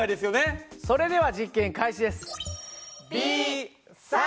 それでは実験開始です。